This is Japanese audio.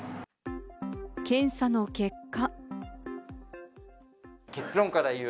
検査の結果。